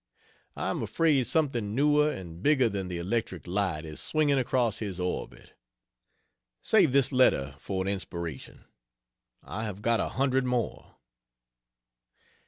I am afraid something newer and bigger than the electric light is swinging across his orbit. Save this letter for an inspiration. I have got a hundred more.